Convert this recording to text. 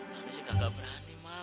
mal ini sih gak berani mal